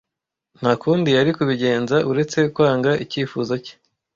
Nta kundi yari kubigenza uretse kwanga icyifuzo cye.